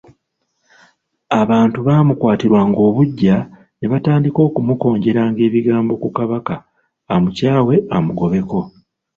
Abantu baamukwatirwa obuggya, ne batandika okumukonjeranga ebigambo ku Kabaka amukyawe amugobeko.